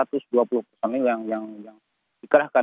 ada satu ratus dua puluh korban akibat bencana yang dikerahkan